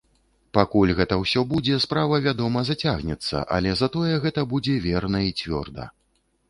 Пакуль гэта ўсё будзе, справа, вядома, зацягнецца, але затое гэта будзе верна і цвёрда.